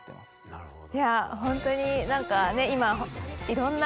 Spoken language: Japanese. なるほど。